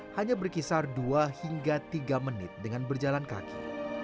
hanya berkisar dua hingga tiga menit dengan berjalan kaki